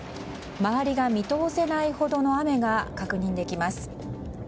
周りが見通せないほどの雨が確認できます。